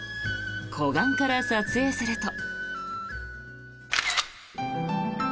湖岸から撮影すると。